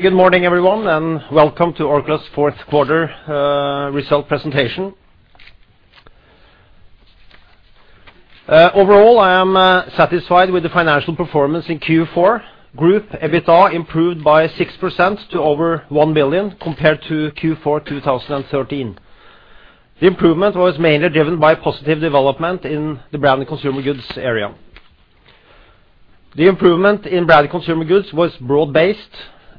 Good morning, everyone, and welcome to Orkla's fourth quarter result presentation. Overall, I am satisfied with the financial performance in Q4. Group EBITDA improved by 6% to over 1 billion compared to Q4 2013. The improvement was mainly driven by positive development in the Branded Consumer Goods area. The improvement in Branded Consumer Goods was broad-based,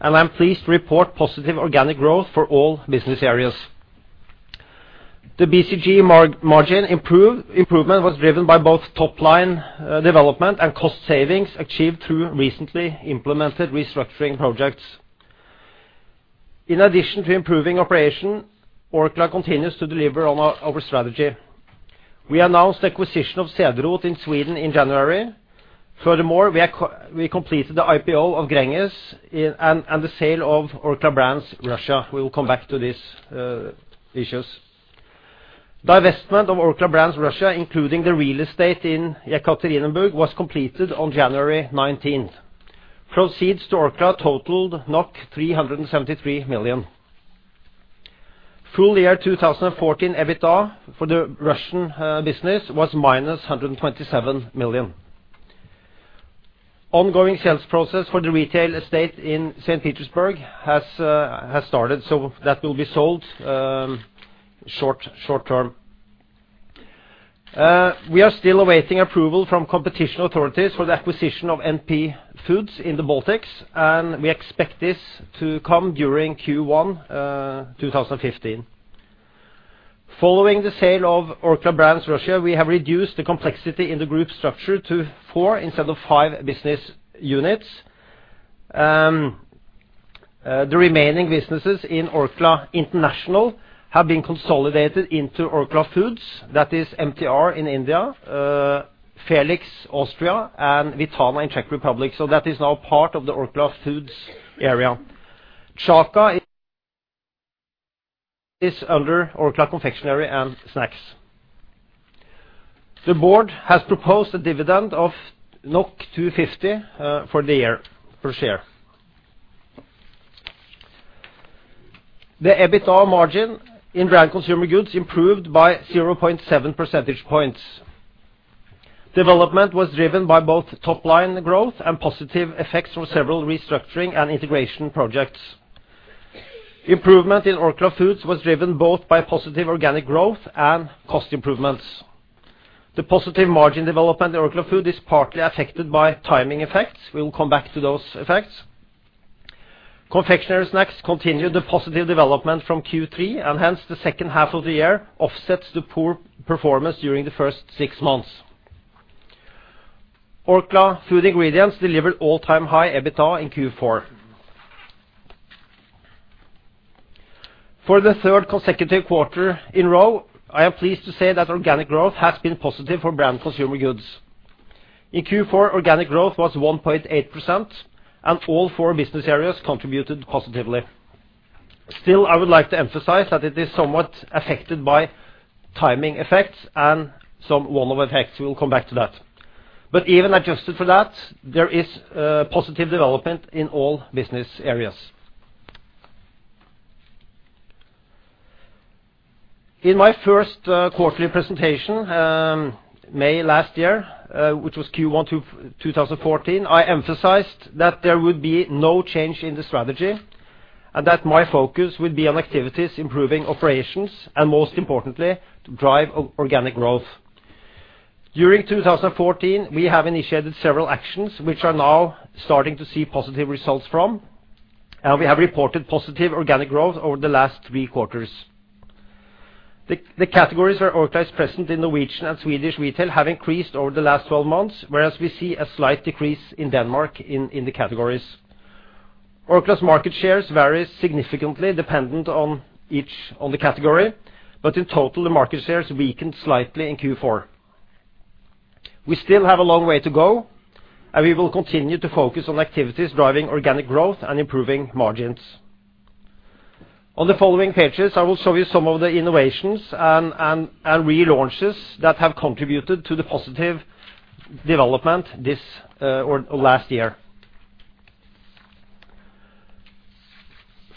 and I am pleased to report positive organic growth for all business areas. The BCG margin improvement was driven by both top-line development and cost savings achieved through recently implemented restructuring projects. In addition to improving operations, Orkla continues to deliver on our strategy. We announced the acquisition of Cederroth in Sweden in January. Furthermore, we completed the IPO of Gränges and the sale of Orkla Brands Russia. We will come back to these issues. The divestment of Orkla Brands Russia, including the real estate in Yekaterinburg, was completed on January 19th. Proceeds to Orkla totaled NOK 373 million. Full year 2014 EBITDA for the Russian business was minus 127 million. The ongoing sales process for the real estate in St. Petersburg has started, that will be sold short-term. We are still awaiting approval from competition authorities for the acquisition of NP Foods in the Baltics, we expect this to come during Q1 2015. Following the sale of Orkla Brands Russia, we have reduced the complexity in the group structure to 4 instead of 5 business units. The remaining businesses in Orkla International have been consolidated into Orkla Foods. That is MTR in India, Felix Austria, and Vitana in Czech Republic. That is now part of the Orkla Foods area. Chaka is under Orkla Confectionery & Snacks. The board has proposed a dividend of 250 per share. The EBITDA margin in Branded Consumer Goods improved by 0.7 percentage points. Development was driven by both top-line growth and positive effects from several restructuring and integration projects. Improvement in Orkla Foods was driven both by positive organic growth and cost improvements. The positive margin development in Orkla Foods is partly affected by timing effects. We will come back to those effects. Orkla Confectionery & Snacks continued the positive development from Q3, hence the second half of the year offsets the poor performance during the first six months. Orkla Food Ingredients delivered all-time high EBITDA in Q4. For the third consecutive quarter in a row, I am pleased to say that organic growth has been positive for Branded Consumer Goods. In Q4, organic growth was 1.8%, all 4 business areas contributed positively. I would like to emphasize that it is somewhat affected by timing effects and some one-off effects. We will come back to that. Even adjusted for that, there is a positive development in all business areas. In my first quarterly presentation, May last year, which was Q1 2014, I emphasized that there would be no change in the strategy and that my focus would be on activities improving operations and, most importantly, to drive organic growth. During 2014, we have initiated several actions, which are now starting to see positive results from, we have reported positive organic growth over the last 3 quarters. The categories where Orkla is present in Norwegian and Swedish retail have increased over the last 12 months, whereas we see a slight decrease in Denmark in the categories. Orkla's market shares vary significantly dependent on the category, but in total, the market shares weakened slightly in Q4. We still have a long way to go, and we will continue to focus on activities driving organic growth and improving margins. On the following pages, I will show you some of the innovations and relaunches that have contributed to the positive development this or last year.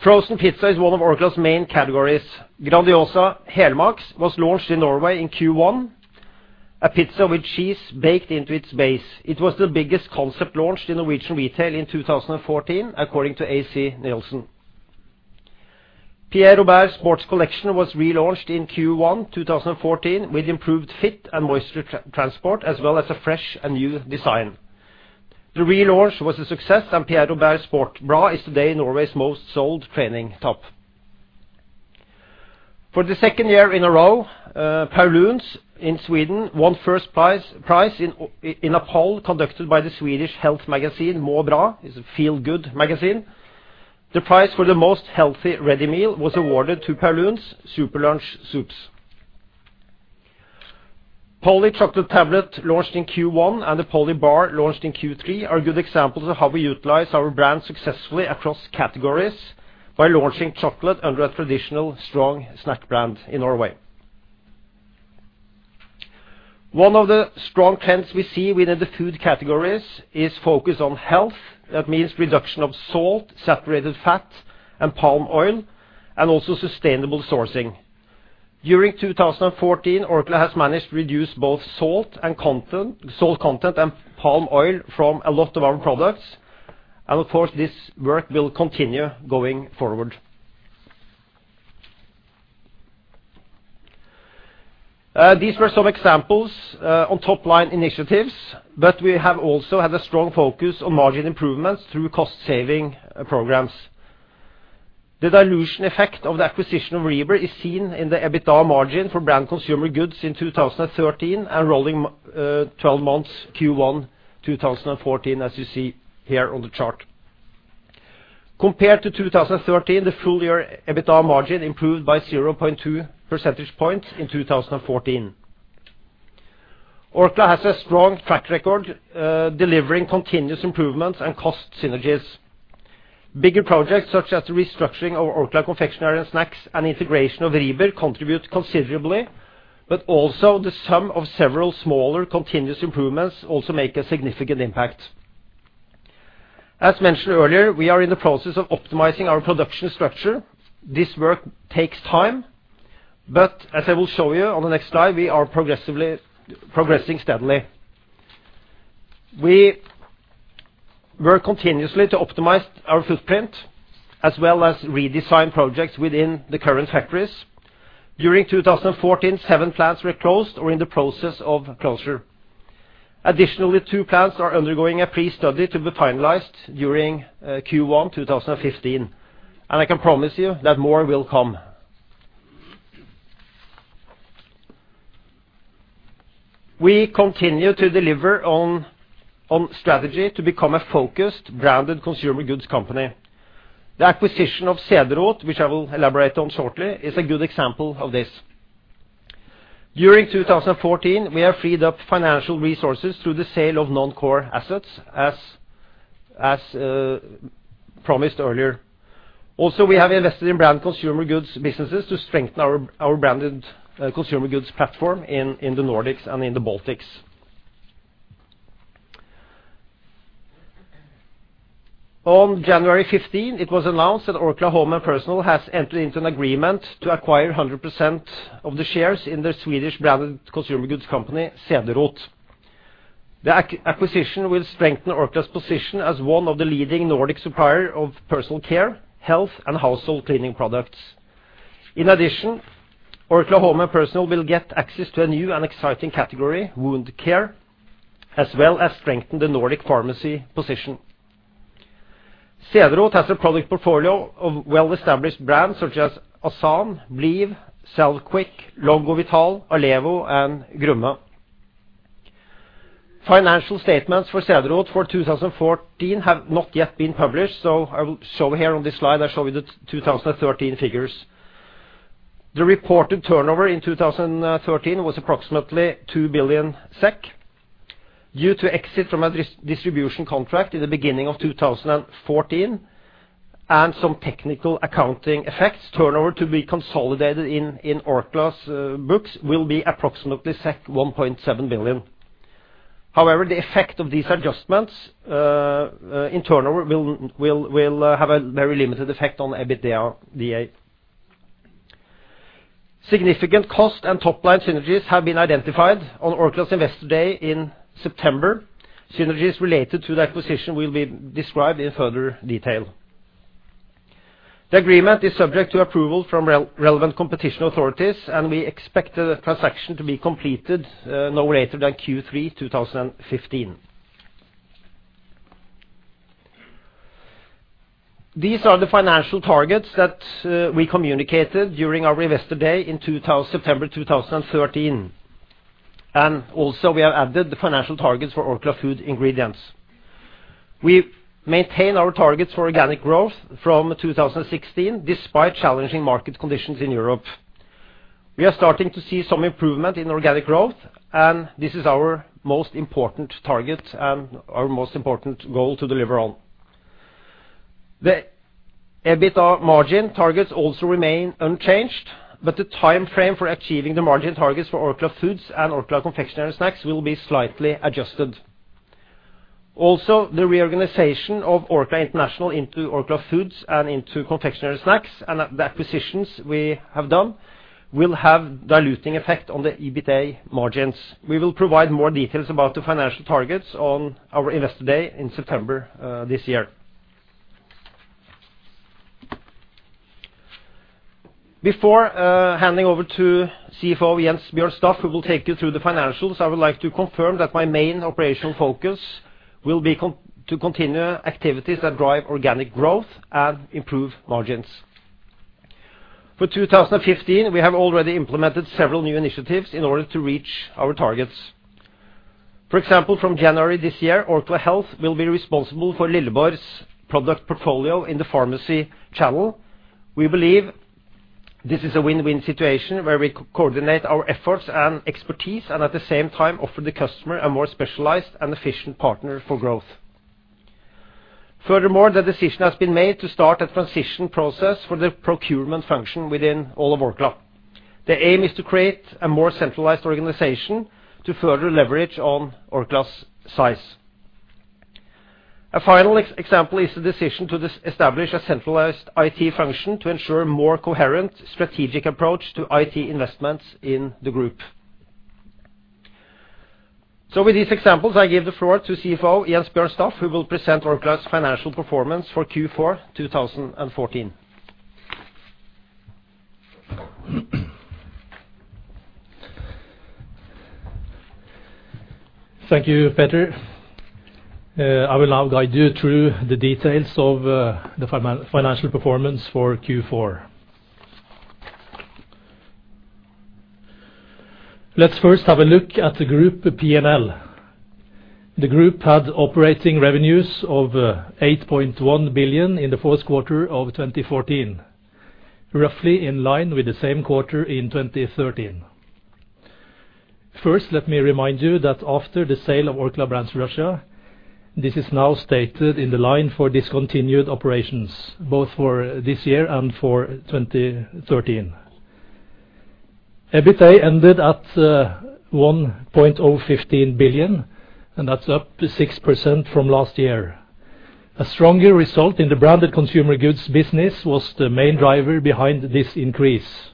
Frozen pizza is one of Orkla's main categories. Grandiosa Helmax was launched in Norway in Q1, a pizza with cheese baked into its base. It was the biggest concept launched in Norwegian retail in 2014, according to ACNielsen. Pierre Robert Sports Collection was relaunched in Q1 2014 with improved fit and moisture transport, as well as a fresh and new design. The relaunch was a success, and Pierre Robert Sport Bra is today Norway's most sold training top. For the second year in a row, Paulúns in Sweden won first prize in a poll conducted by the Swedish health magazine, "MåBra." It's a feel-good magazine. The prize for the most healthy ready meal was awarded to Paulúns Superlunch Soups. Polly chocolate tablet, launched in Q1, and the Polly bar, launched in Q3, are good examples of how we utilize our brand successfully across categories by launching chocolate under a traditional strong snack brand in Norway. One of the strong trends we see within the food categories is focus on health. That means reduction of salt, saturated fat, and palm oil, and also sustainable sourcing. During 2014, Orkla has managed to reduce both salt content and palm oil from a lot of our products. Of course, this work will continue going forward. These were some examples on top-line initiatives, but we have also had a strong focus on margin improvements through cost-saving programs. The dilution effect of the acquisition of Rieber is seen in the EBITDA margin for Branded Consumer Goods in 2013 and rolling 12 months Q1 2014, as you see here on the chart. Compared to 2013, the full-year EBITDA margin improved by 0.2 percentage points in 2014. Orkla has a strong track record delivering continuous improvements and cost synergies. Bigger projects such as the restructuring of Orkla Confectionery & Snacks and integration of Rieber contribute considerably, but also the sum of several smaller continuous improvements also make a significant impact. As mentioned earlier, we are in the process of optimizing our production structure. This work takes time, but as I will show you on the next slide, we are progressing steadily. We work continuously to optimize our footprint, as well as redesign projects within the current factories. During 2014, seven plants were closed or in the process of closure. Additionally, two plants are undergoing a pre-study to be finalized during Q1 2015. I can promise you that more will come. We continue to deliver on strategy to become a focused Branded Consumer Goods company. The acquisition of Cederroth, which I will elaborate on shortly, is a good example of this. During 2014, we have freed up financial resources through the sale of non-core assets, as promised earlier. Also, we have invested in Branded Consumer Goods businesses to strengthen our Branded Consumer Goods platform in the Nordics and in the Baltics. On January 15, it was announced that Orkla Home & Personal has entered into an agreement to acquire 100% of the shares in the Swedish Branded Consumer Goods company, Cederroth. The acquisition will strengthen Orkla's position as one of the leading Nordic supplier of personal care, health, and household cleaning products. In addition, Orkla Home & Personal Care will get access to a new and exciting category, wound care, as well as strengthen the Nordic pharmacy position. Cederroth has a product portfolio of well-established brands such as Asan, Bliw, Salvequick, Longo Vital, Allevo, and Grumme. I will show here on this slide, I show you the 2013 figures. The reported turnover in 2013 was approximately 2 billion SEK. Due to exit from a distribution contract in the beginning of 2014 and some technical accounting effects, turnover to be consolidated in Orkla's books will be approximately 1.7 billion. However, the effect of these adjustments in turnover will have a very limited effect on EBITDA. Significant cost and top-line synergies have been identified on Orkla's Investor Day in September. Synergies related to the acquisition will be described in further detail. The agreement is subject to approval from relevant competition authorities, We expect the transaction to be completed no later than Q3 2015. These are the financial targets that we communicated during our Investor Day in September 2013. Also we have added the financial targets for Orkla Food Ingredients. We maintain our targets for organic growth from 2016, despite challenging market conditions in Europe. We are starting to see some improvement in organic growth, This is our most important target and our most important goal to deliver on. The EBITDA margin targets also remain unchanged, but the timeframe for achieving the margin targets for Orkla Foods and Orkla Confectionery & Snacks will be slightly adjusted. The reorganization of Orkla International into Orkla Foods and Orkla Confectionery & Snacks and the acquisitions we have done will have diluting effect on the EBITA margins. We will provide more details about the financial targets on our Investor Day in September this year. Before handing over to CFO Jens Bjørn Staff, who will take you through the financials, I would like to confirm that my main operational focus will be to continue activities that drive organic growth and improve margins. For 2015, we have already implemented several new initiatives in order to reach our targets. For example, from January this year, Orkla Health will be responsible for Lilleborg's product portfolio in the pharmacy channel. We believe this is a win-win situation where we coordinate our efforts and expertise, at the same time offer the customer a more specialized and efficient partner for growth. Furthermore, the decision has been made to start a transition process for the procurement function within all of Orkla. The aim is to create a more centralized organization to further leverage on Orkla's size. A final example is the decision to establish a centralized IT function to ensure more coherent strategic approach to IT investments in the group. With these examples, I give the floor to CFO Jens Bjørn Staff, who will present Orkla's financial performance for Q4 2014. Thank you, Peter. I will now guide you through the details of the financial performance for Q4. Let's first have a look at the group P&L. The group had operating revenues of 8.1 billion in the fourth quarter of 2014, roughly in line with the same quarter in 2013. First, let me remind you that after the sale of Orkla Brands Russia, this is now stated in the line for discontinued operations, both for this year and for 2013. EBITA ended at 1.015 billion, that's up 6% from last year. A stronger result in the Branded Consumer Goods business was the main driver behind this increase.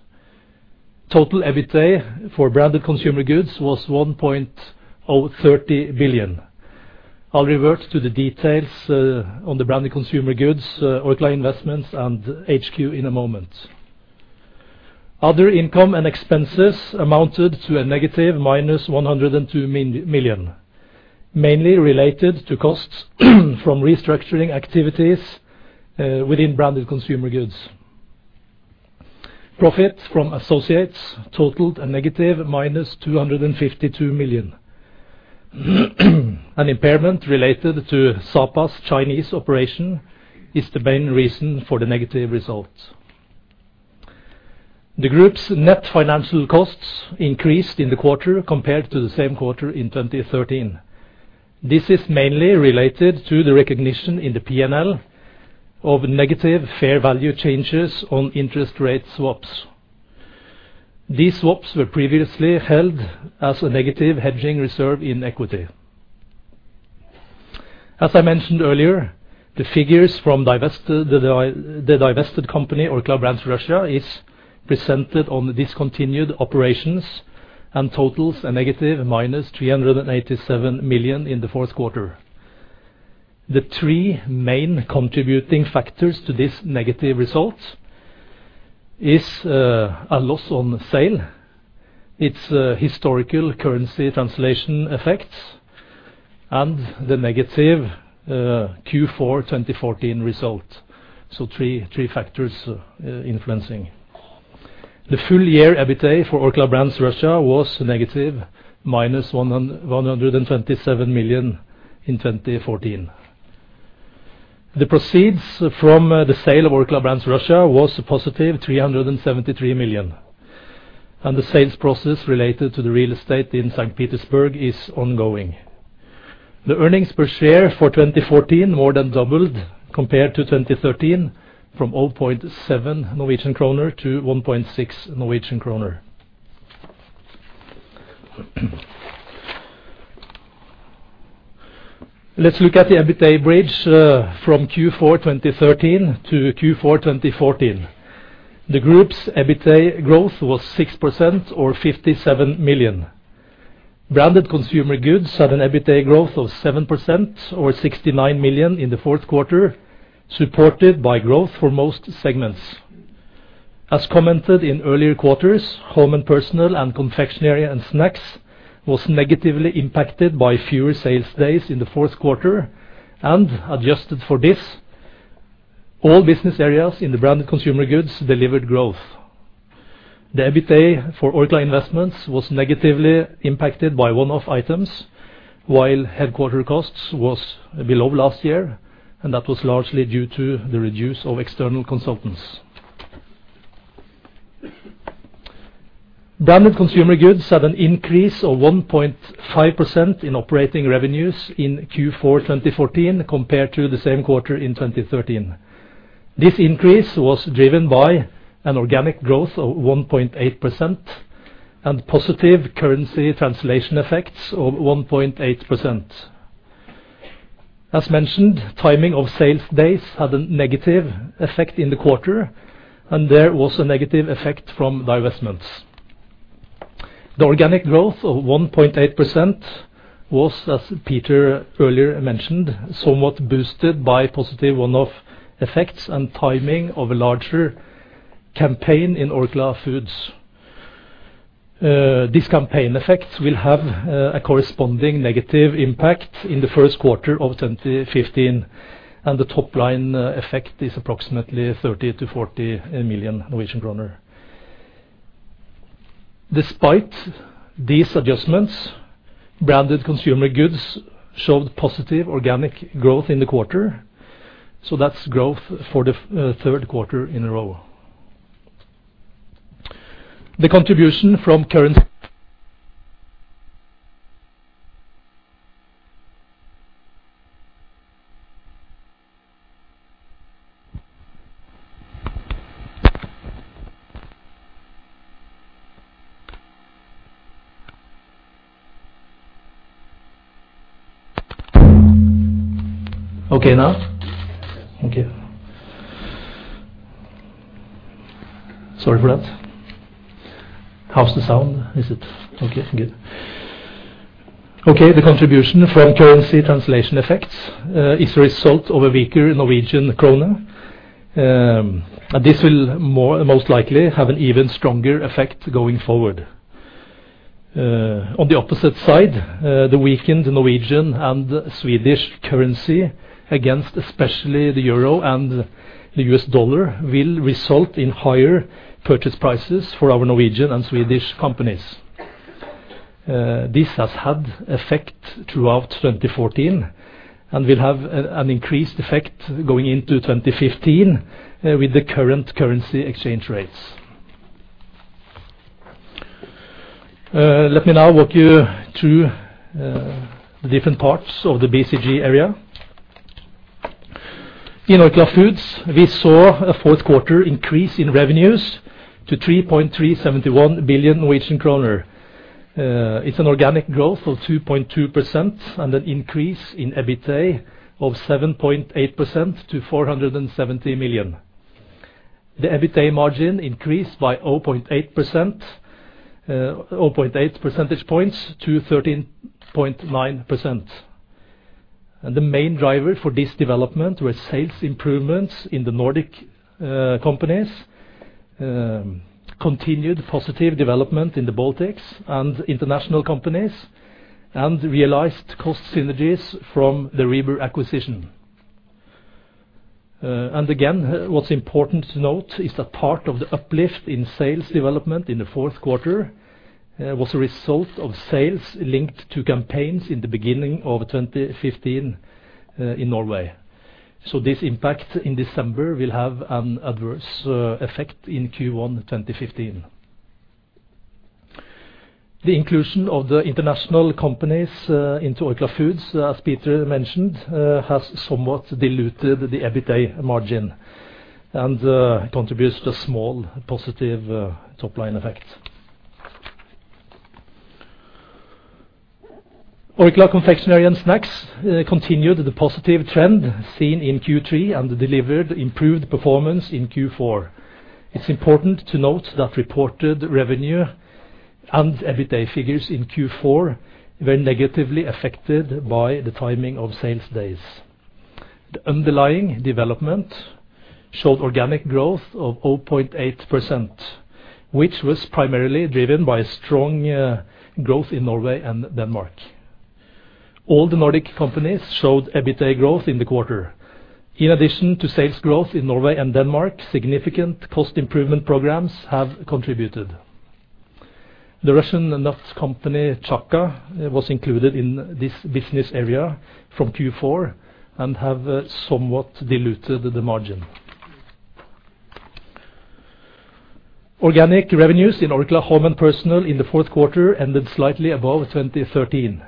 Total EBITA for Branded Consumer Goods was 1.030 billion. I'll revert to the details on the Branded Consumer Goods, Orkla Investments, and HQ in a moment. Other income and expenses amounted to 102 million, mainly related to costs from restructuring activities within Branded Consumer Goods. Profit from associates totaled 252 million. An impairment related to Sapa's Chinese operation is the main reason for the negative results. The group's net financial costs increased in the quarter compared to the same quarter in 2013. This is mainly related to the recognition in the P&L of negative fair value changes on interest rate swaps. These swaps were previously held as a negative hedging reserve in equity. As I mentioned earlier, the figures from the divested company, Orkla Brands Russia, is presented on the discontinued operations and totals 387 million in the fourth quarter. The three main contributing factors to this negative result is a loss on sale. It's historical currency translation effects and the negative Q4 2014 result. Three factors influencing. The full year EBITA for Orkla Brands Russia was NOK 127 million in 2014. The proceeds from the sale of Orkla Brands Russia was 373 million, the sales process related to the real estate in St. Petersburg is ongoing. The earnings per share for 2014 more than doubled compared to 2013 from 0.7 Norwegian kroner to 1.6 Norwegian kroner. Let's look at the EBITA bridge from Q4 2013 to Q4 2014. The group's EBITA growth was 6% or 57 million. Branded Consumer Goods had an EBITA growth of 7% or 69 million in the fourth quarter, supported by growth for most segments. As commented in earlier quarters, Home and Personal and Confectionery and Snacks was negatively impacted by fewer sales days in the fourth quarter, adjusted for this, all business areas in the Branded Consumer Goods delivered growth. The EBITA for Orkla Investments was negatively impacted by one-off items while Headquarter costs was below last year, that was largely due to the reduce of external consultants. Branded Consumer Goods had an increase of 1.5% in operating revenues in Q4 2014 compared to the same quarter in 2013. This increase was driven by an organic growth of 1.8% and positive currency translation effects of 1.8%. As mentioned, timing of sales days had a negative effect in the quarter, there was a negative effect from divestments. The organic growth of 1.8% was, as Peter earlier mentioned, somewhat boosted by positive one-off effects and timing of a larger campaign in Orkla Foods. This campaign effects will have a corresponding negative impact in the first quarter of 2015, the top-line effect is approximately 30 million-40 million Norwegian kroner. Despite these adjustments, Branded Consumer Goods showed positive organic growth in the quarter. That's growth for the third quarter in a row. The contribution from currency. Okay now? Yes. Okay. Sorry for that. How's the sound? Okay, good. The contribution from currency translation effects is a result of a weaker Norwegian krone. This will most likely have an even stronger effect going forward. On the opposite side, the weakened Norwegian and Swedish currency against especially the euro and the US dollar, will result in higher purchase prices for our Norwegian and Swedish companies. This has had effect throughout 2014 and will have an increased effect going into 2015 with the current currency exchange rates. Let me now walk you through the different parts of the BCG area. In Orkla Foods, we saw a fourth quarter increase in revenues to 3.371 billion Norwegian kroner. It's an organic growth of 2.2% and an increase in EBITA of 7.8% to 470 million. The EBITA margin increased by 0.8 percentage points to 13.9%. The main driver for this development was sales improvements in the Nordic companies, continued positive development in the Baltics and international companies, and realized cost synergies from the Rieber acquisition. Again, what's important to note is that part of the uplift in sales development in the fourth quarter, was a result of sales linked to campaigns in the beginning of 2015, in Norway. This impact in December will have an adverse effect in Q1 2015. The inclusion of the international companies into Orkla Foods, as Peter mentioned, has somewhat diluted the EBITA margin and contributes to a small positive top-line effect. Orkla Confectionery & Snacks continued the positive trend seen in Q3 and delivered improved performance in Q4. It's important to note that reported revenue and EBITA figures in Q4 were negatively affected by the timing of sales days. The underlying development showed organic growth of 0.8%, which was primarily driven by strong growth in Norway and Denmark. All the Nordic companies showed EBITA growth in the quarter. In addition to sales growth in Norway and Denmark, significant cost improvement programs have contributed. The Russian nuts company, Chaka, was included in this business area from Q4 and have somewhat diluted the margin. Organic revenues in Orkla Home & Personal Care in the fourth quarter ended slightly above 2013.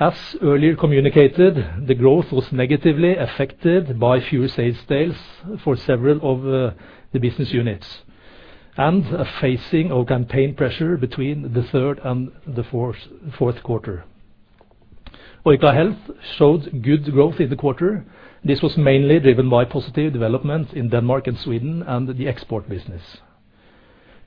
As earlier communicated, the growth was negatively affected by fewer sales days for several of the business units, and facing campaign pressure between the third and the fourth quarter. Orkla Health showed good growth in the quarter. This was mainly driven by positive developments in Denmark and Sweden and the export business.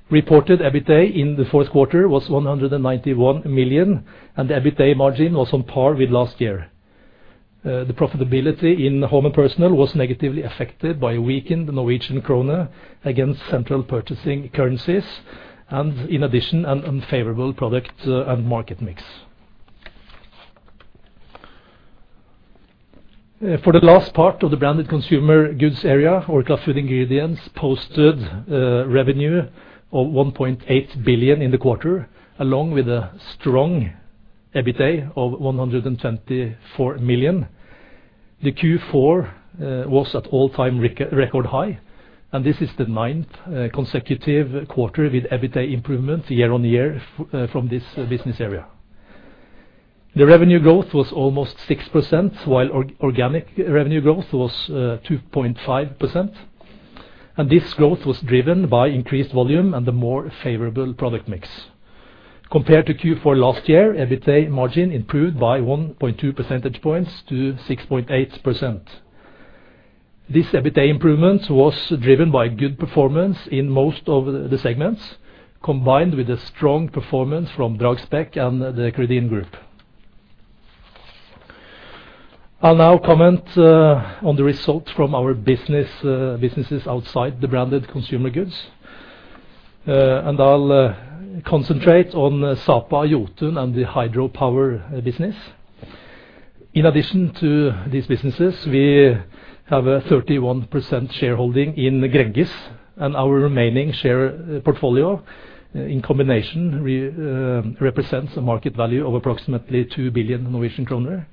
Reported EBITA in the fourth quarter was 191 million, and the EBITA margin was on par with last year. The profitability in Orkla Home & Personal Care was negatively affected by a weakened Norwegian krone against central purchasing currencies and in addition, an unfavorable product and market mix. For the last part of the Branded Consumer Goods area, Orkla Food Ingredients posted revenue of 1.8 billion in the quarter, along with a strong EBITA of 124 million. The Q4 was at all-time record high, and this is the ninth consecutive quarter with EBITA improvement year on year from this business area. The revenue growth was almost 6%, while organic revenue growth was 2.5%, and this growth was driven by increased volume and a more favorable product mix. Compared to Q4 last year, EBITA margin improved by 1.2 percentage points to 6.8%. This EBITA improvement was driven by good performance in most of the segments, combined with a strong performance from Dragsbæk and the Credin Group. I'll now comment on the results from our businesses outside the Branded Consumer Goods, and I'll concentrate on Sapa, Jotun, and the hydropower business. In addition to these businesses, we have a 31% shareholding in Gränges, and our remaining share portfolio in combination represents a market value of approximately 2 billion Norwegian kroner.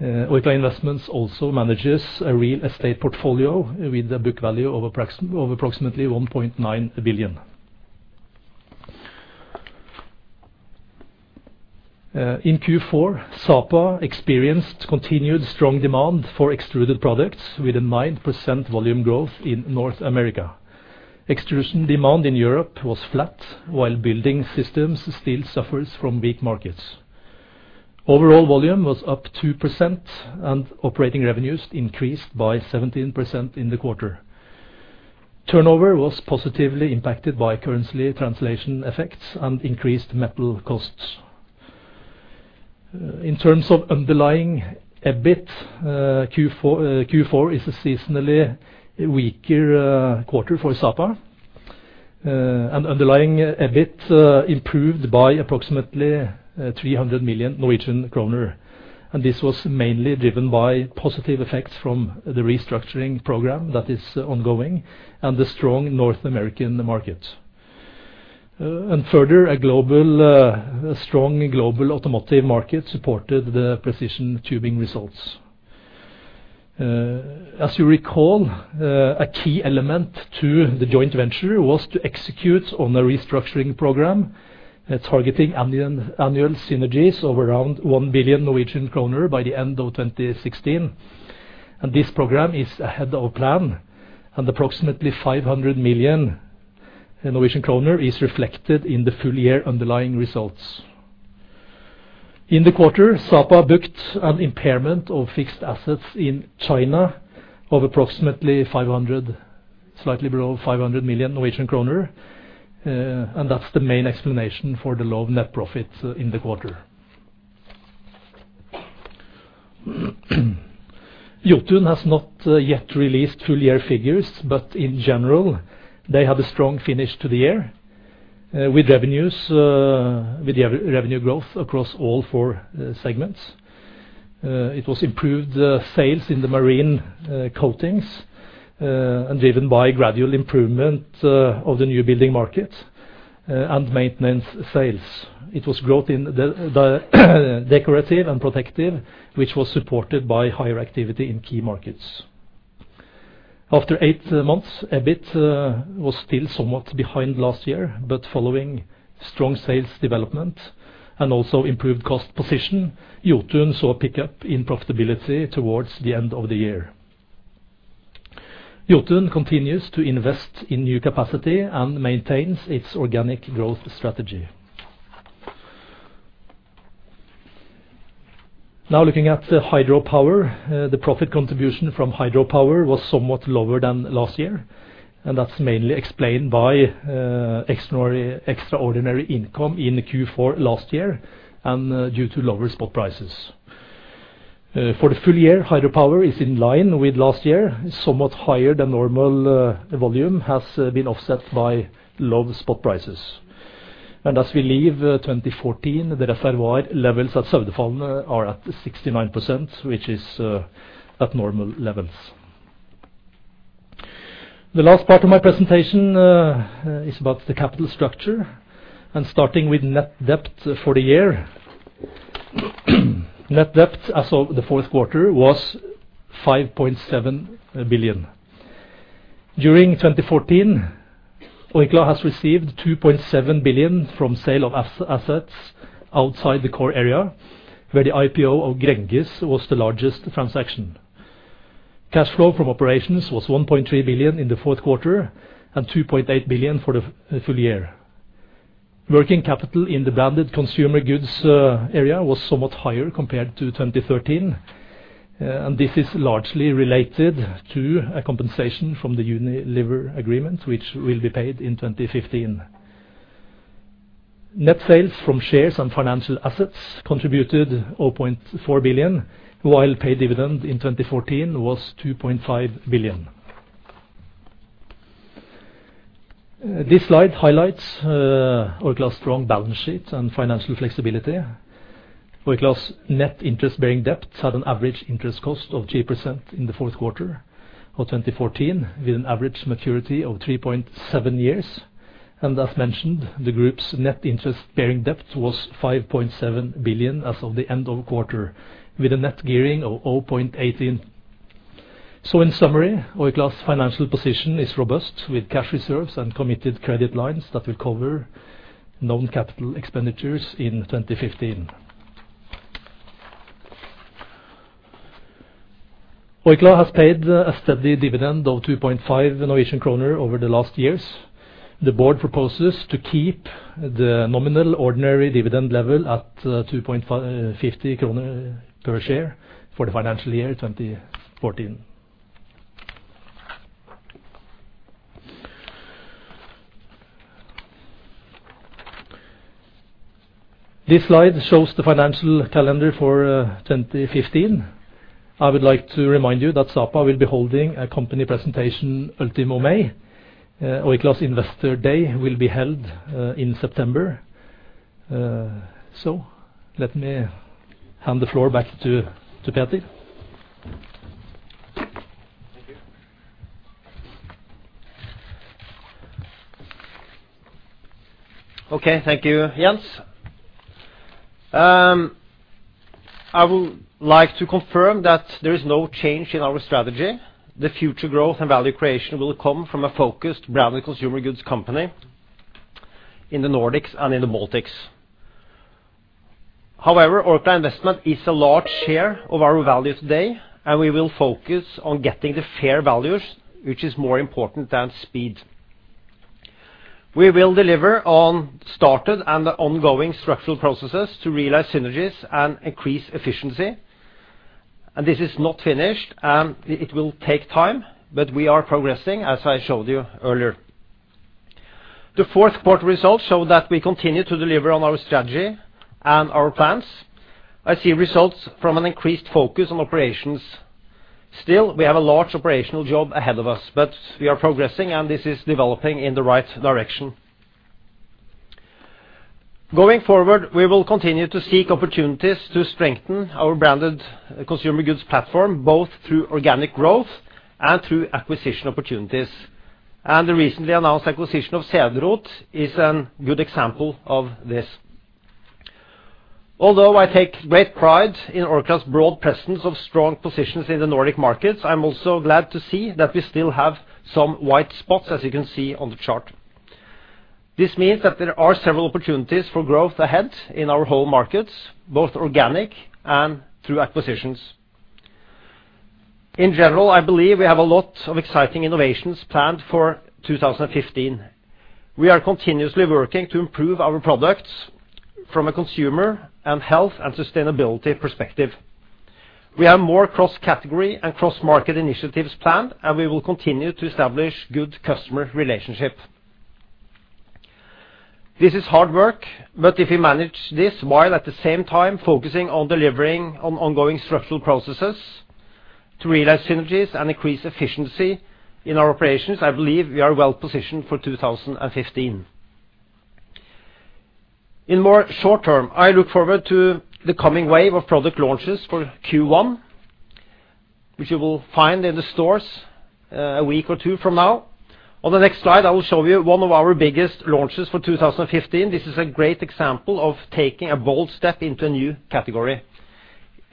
Orkla Investments also manages a real estate portfolio with a book value of approximately 1.9 billion. In Q4, Sapa experienced continued strong demand for extruded products with a 9% volume growth in North America. Extrusion demand in Europe was flat, while building systems still suffers from weak markets. Overall volume was up 2%. Operating revenues increased by 17% in the quarter. Turnover was positively impacted by currency translation effects and increased metal costs. In terms of underlying EBIT, Q4 is a seasonally weaker quarter for Sapa, and underlying EBIT improved by approximately NOK 300 million. Further, a strong global automotive market supported the precision tubing results. As you recall, a key element to the joint venture was to execute on a restructuring program targeting annual synergies of around 1 billion Norwegian kroner by the end of 2016. This program is ahead of plan, and approximately 500 million kroner is reflected in the full-year underlying results. In the quarter, Sapa booked an impairment of fixed assets in China of approximately slightly below 500 million Norwegian kroner, and that's the main explanation for the low net profit in the quarter. Jotun has not yet released full-year figures, but in general, they had a strong finish to the year with the revenue growth across all four segments. It was improved sales in the marine coatings and driven by gradual improvement of the new building market and maintenance sales. It was growth in the decorative and protective, which was supported by higher activity in key markets. After eight months, EBIT was still somewhat behind last year, but following strong sales development and also improved cost position, Jotun saw a pickup in profitability towards the end of the year. Jotun continues to invest in new capacity and maintains its organic growth strategy. Now looking at the hydropower. The profit contribution from hydropower was somewhat lower than last year. That's mainly explained by extraordinary income in Q4 last year and due to lower spot prices. For the full year, hydropower is in line with last year. Somewhat higher than normal volume has been offset by low spot prices. As we leave 2014, the reservoir levels at Saudefjell are at 69%, which is at normal levels. The last part of my presentation is about the capital structure and starting with net debt for the year. Net debt as of the fourth quarter was 5.7 billion. During 2014, Orkla has received 2.7 billion from sale of assets outside the core area, where the IPO of Gränges was the largest transaction. Cash flow from operations was 1.3 billion in the fourth quarter and 2.8 billion for the full year. Working capital in the Branded Consumer Goods area was somewhat higher compared to 2013. This is largely related to a compensation from the Unilever agreement, which will be paid in 2015. Net sales from shares and financial assets contributed 0.4 billion, while paid dividend in 2014 was 2.5 billion. This slide highlights Orkla's strong balance sheet and financial flexibility. Orkla's net interest-bearing debt had an average interest cost of 3% in the fourth quarter of 2014, with an average maturity of 3.7 years. As mentioned, the group's net interest-bearing debt was 5.7 billion as of the end of quarter, with a net gearing of 0.18. In summary, Orkla's financial position is robust, with cash reserves and committed credit lines that will cover known capital expenditures in 2015. Orkla has paid a steady dividend of 2.5 kroner over the last years. The board proposes to keep the nominal ordinary dividend level at 2.50 kroner per share for the financial year 2014. This slide shows the financial calendar for 2015. I would like to remind you that Sapa will be holding a company presentation ultimo May. Orkla's Investor Day will be held in September. Let me hand the floor back to Peter. Okay. Thank you, Jens. I would like to confirm that there is no change in our strategy. The future growth and value creation will come from a focused Branded Consumer Goods company in the Nordics and in the Baltics. However, Orkla Investments is a large share of our value today. We will focus on getting the fair values, which is more important than speed. We will deliver on started and ongoing structural processes to realize synergies and increase efficiency. This is not finished. It will take time, but we are progressing, as I showed you earlier. The fourth quarter results show that we continue to deliver on our strategy and our plans. I see results from an increased focus on operations. Still, we have a large operational job ahead of us, but we are progressing, and this is developing in the right direction. Going forward, we will continue to seek opportunities to strengthen our branded consumer goods platform, both through organic growth and through acquisition opportunities. The recently announced acquisition of Cederroth is a good example of this. Although I take great pride in Orkla's broad presence of strong positions in the Nordic markets, I am also glad to see that we still have some white spots, as you can see on the chart. This means that there are several opportunities for growth ahead in our home markets, both organic and through acquisitions. In general, I believe we have a lot of exciting innovations planned for 2015. We are continuously working to improve our products from a consumer and health and sustainability perspective. We have more cross-category and cross-market initiatives planned, and we will continue to establish good customer relationships. This is hard work, but if we manage this while at the same time focusing on delivering on ongoing structural processes to realize synergies and increase efficiency in our operations, I believe we are well-positioned for 2015. In more short-term, I look forward to the coming wave of product launches for Q1, which you will find in the stores a week or two from now. On the next slide, I will show you one of our biggest launches for 2015. This is a great example of taking a bold step into a new category.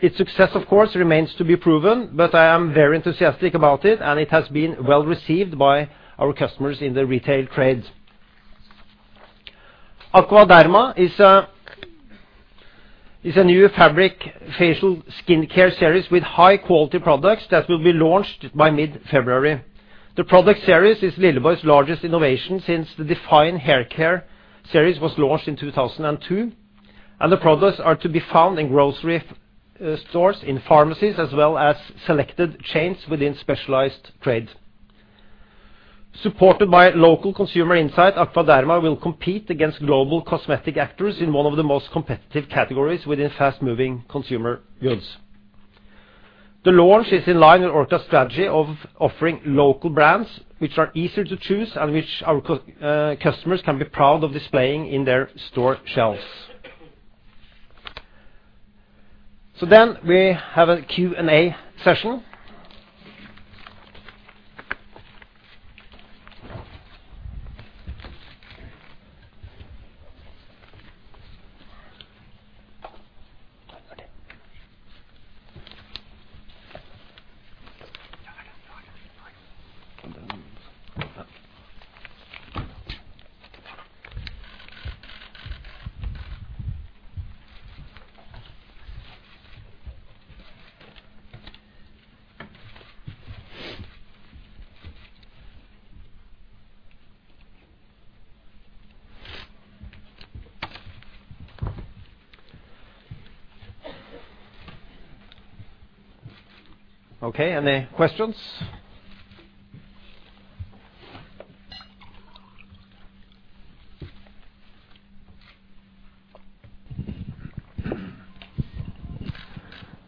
Its success, of course, remains to be proven, but I am very enthusiastic about it, and it has been well-received by our customers in the retail trade. Aqua Derma is a new fabric facial skincare series with high-quality products that will be launched by mid-February. The product series is Lilleborg's largest innovation since the Define hair care series was launched in 2002, and the products are to be found in grocery stores, in pharmacies, as well as selected chains within specialized trade. Supported by local consumer insight, Aqua Derma will compete against global cosmetic actors in one of the most competitive categories within fast-moving consumer goods. The launch is in line with Orkla's strategy of offering local brands, which are easier to choose and which our customers can be proud of displaying on their store shelves. We have a Q&A session. Any questions?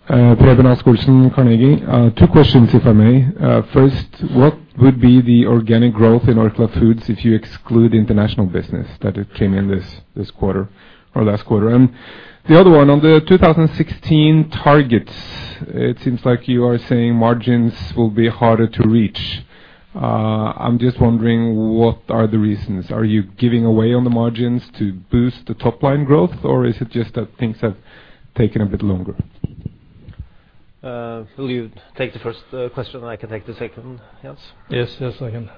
Preben Aas, Carnegie. Two questions, if I may. First, what would be the organic growth in Orkla Foods if you exclude international business that came in this quarter or last quarter? The other one, on the 2016 targets, it seems like you are saying margins will be harder to reach. I am just wondering, what are the reasons? Are you giving away on the margins to boost the top-line growth, or is it just that things have taken a bit longer? Will you take the first question, and I can take the second, Jens? Yes, I can.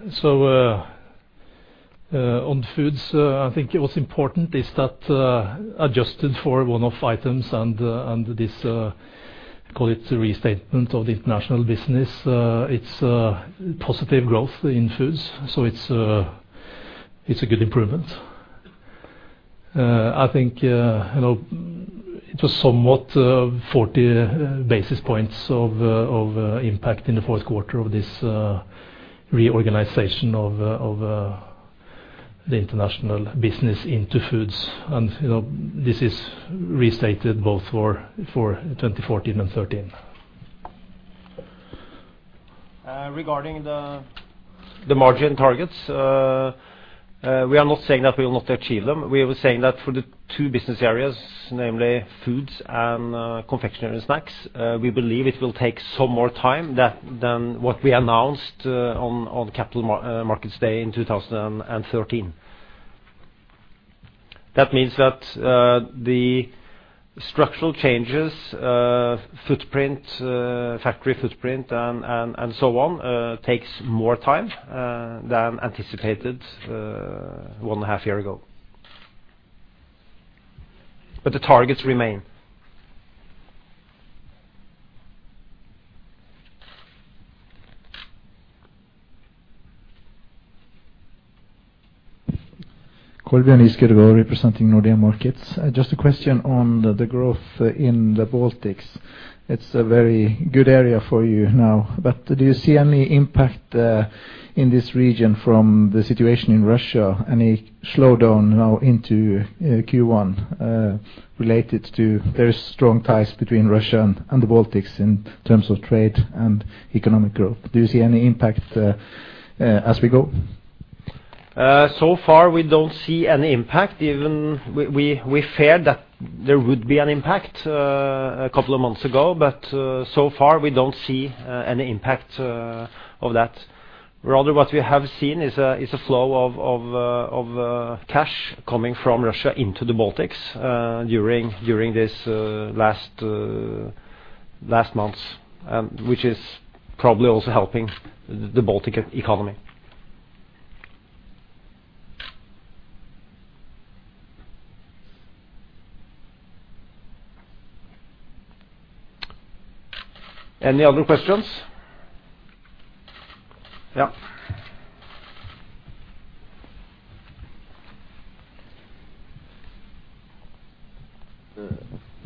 On foods, I think it was important is that adjusted for one-off items and this, call it, restatement of the international business, it's positive growth in foods, so it's a good improvement. I think it was somewhat 40 basis points of impact in the fourth quarter of this reorganization of the international business into foods. This is restated both for 2014 and 2013. Regarding the margin targets, we are not saying that we will not achieve them. We are saying that for the two business areas, namely foods and confectionery and snacks, we believe it will take some more time than what we announced on Capital Markets Day in 2013. That means that the structural changes, factory footprint, and so on, takes more time than anticipated one and a half year ago. The targets remain. Kolbjørn Giskeødegård representing Nordea Markets. Just a question on the growth in the Baltics. It's a very good area for you now, but do you see any impact in this region from the situation in Russia? Any slowdown now into Q1 related to very strong ties between Russia and the Baltics in terms of trade and economic growth? Do you see any impact as we go? So far, we don't see any impact, even we feared that there would be an impact a couple of months ago. So far, we don't see any impact of that. Rather what we have seen is a flow of cash coming from Russia into the Baltics during these last months, which is probably also helping the Baltic economy. Any other questions? Yeah.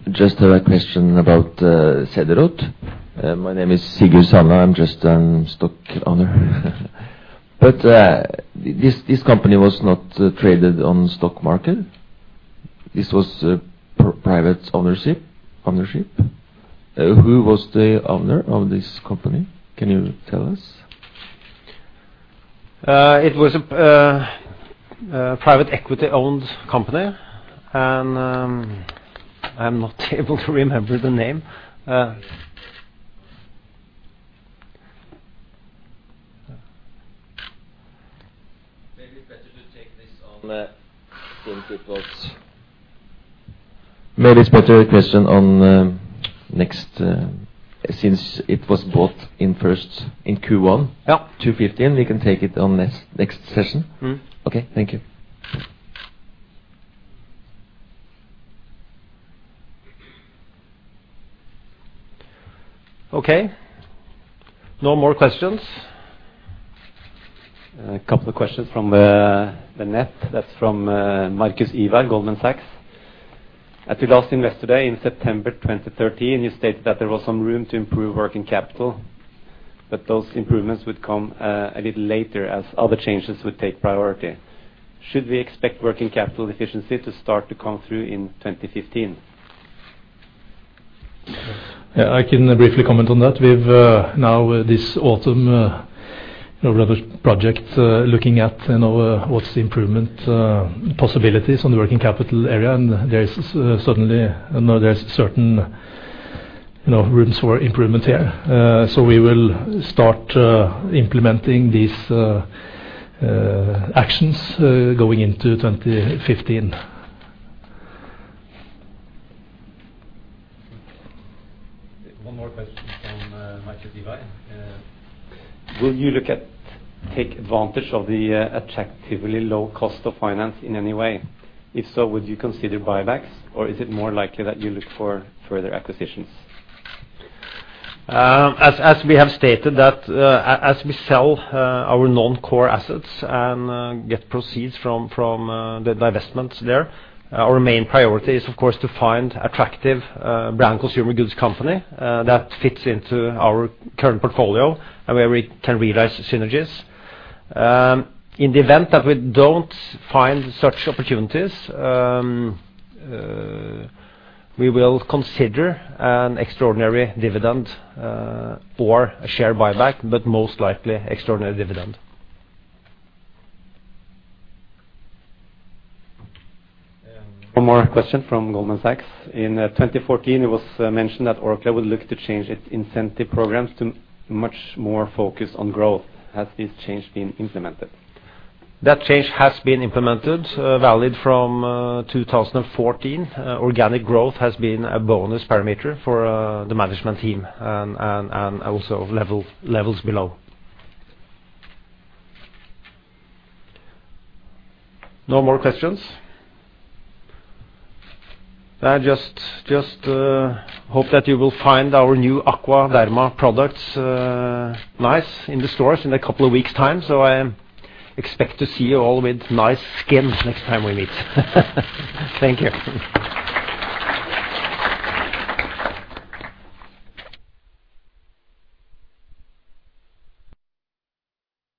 Just a question about Cederroth. My name is Sigurd Sanna. I'm just a stock owner. This company was not traded on stock market. This was private ownership. Who was the owner of this company? Can you tell us? It was a private equity-owned company, and I'm not able to remember the name. Maybe it's better question on next, since it was bought in Q1. Yeah. 2:15, We can take it on next session. Okay. Thank you. Okay. No more questions? A couple of questions from the net. That's from Markus Ivers], Goldman Sachs. At the last Investor Day in September 2013, you stated that there was some room to improve working capital, but those improvements would come a little later as other changes would take priority. Should we expect working capital efficiency to start to come through in 2015? Yeah, I can briefly comment on that. We've now, this autumn, rather project, looking at what's the improvement possibilities on the working capital area, and there is certain rooms for improvement here. We will start implementing these actions going into 2015. One more question from Markus Ivers. Will you take advantage of the attractively low cost of finance in any way? If so, would you consider buybacks, or is it more likely that you look for further acquisitions? As we have stated, as we sell our non-core assets and get proceeds from the divestments there, our main priority is, of course, to find attractive Branded Consumer Goods company that fits into our current portfolio and where we can realize synergies. In the event that we don't find such opportunities, we will consider an extraordinary dividend or a share buyback, but most likely extraordinary dividend. One more question from Goldman Sachs. In 2014, it was mentioned that Orkla would look to change its incentive programs to much more focus on growth. Has this change been implemented? That change has been implemented, valid from 2014. Organic growth has been a bonus parameter for the management team and also levels below. No more questions? I just hope that you will find our new Aqua Derma products nice in the stores in a couple of weeks' time. I expect to see you all with nice skin next time we meet. Thank you.